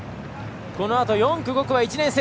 このあと４区、５区は１年生。